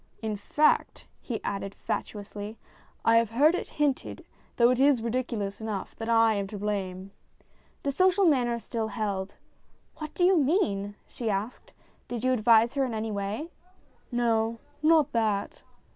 "In fact," he added fatuously, " I have heard it hinted, though it is ridiculous enough, that I am to blame." The social manner still held. "What do you mean ?" she asked. " Did you advise her in any way ?"" No ; not that."